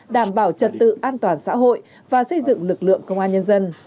đảm bảo trật tự an toàn xã hội và xây dựng lực lượng công an nhân dân